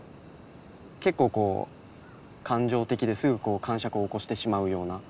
結構こう感情的ですぐかんしゃくを起こしてしまうような。